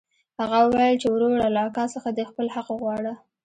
هغه وويل چې وروره له اکا څخه دې خپل حق وغواړه.